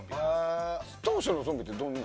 当初のゾンビってどんな。